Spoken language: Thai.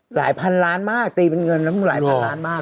หลายพันล้านมากตีเป็นเงินแล้วมึงหลายพันล้านมาก